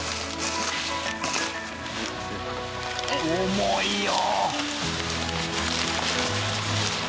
重いよ。